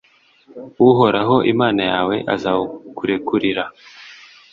uhoraho imana yawe azawukurekurira,